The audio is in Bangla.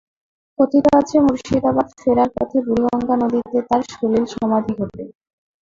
কথিত আছে, মুর্শিদাবাদ ফেরার পথে বুড়িগঙ্গা নদীতে তার সলিল সমাধি ঘটে।